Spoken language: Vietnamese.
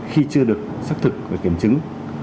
khi chưa được xác thực và kiểm chứng